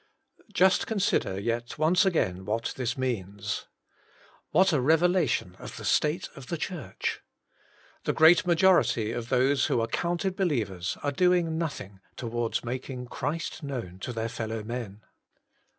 Just consider yet once again what this means. What a revelation of the state of the Church. The great majority of those who are counted believers are doing nothing towards making Christ known to their fel low men.